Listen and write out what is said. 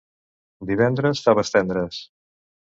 Divendres, faves tendres.